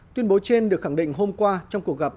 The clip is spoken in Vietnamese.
tuyên bố trên được khẳng định hôm qua trong cuộc gặp